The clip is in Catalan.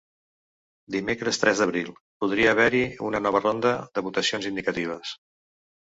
Dimecres tres d’abril: Podria haver-hi una nova ronda de votacions indicatives.